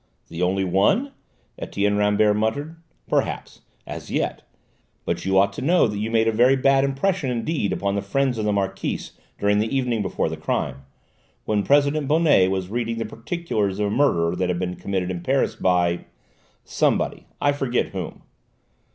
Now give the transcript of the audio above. "The only one?" Etienne Rambert muttered. "Perhaps! As yet! But you ought to know that you made a very bad impression indeed upon the friends of the Marquise during the evening before the crime, when President Bonnet was reading the particulars of a murder that had been committed in Paris by somebody: I forget whom."